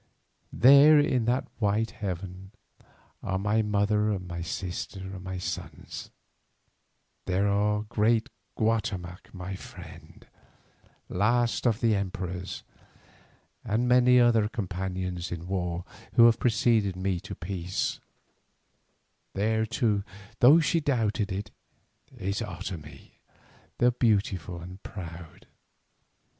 There in that wide heaven are my mother and my sister and my sons; there are great Guatemoc my friend, last of the emperors, and many other companions in war who have preceded me to peace; there, too, though she doubted of it, is Otomie the beautiful and proud.